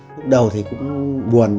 lúc đầu thì cũng buồn